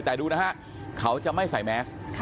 แต่ดูนะฮะเขาจะไม่ใส่แมส